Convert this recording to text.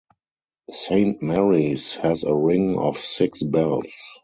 Saint Mary's has a ring of six bells.